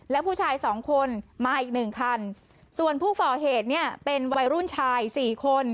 และผู้ชาย๒คนมาอีก๑คันส่วนผู้ฝ่าเหตุเป็นวัยรุ่นชาย๔คน